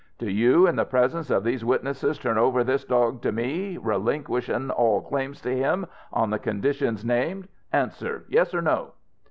"Do you, in the presence of these witnesses, turn over this dog to me, relinquishin' all claims to him, on the conditions named? Answer Yes or No?"